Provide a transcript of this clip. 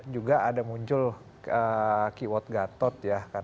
juga ada muncul keyword gatot ya